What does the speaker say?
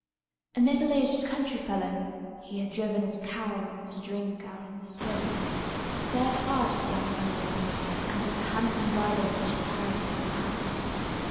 A middle aged country fellow (he had driven his cow to drink out of the spring) stared hard at young Bellerophon, and at the handsome bridle which he carried in his hand.